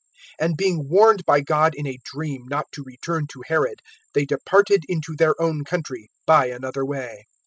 (12)And being warned by God in a dream, not to return to Herod, they departed into their own country by another way.